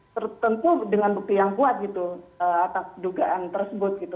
tertentu dengan bukti yang kuat gitu atas dugaan tersebut gitu